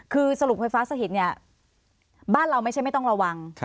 คือสรุปไฟฟ้าสถิตเนี่ยบ้านเราไม่ใช่ไม่ต้องระวัง